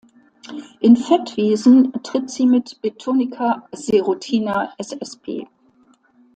In Fettwiesen tritt sie mit "Betonica serotina ssp.